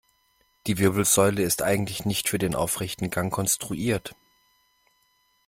Die Wirbelsäule ist eigentlich nicht für den aufrechten Gang konstruiert.